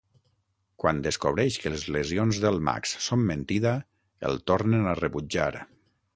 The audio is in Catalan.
Quan descobreix que les lesions del Max són mentida, el tornen a rebutjar.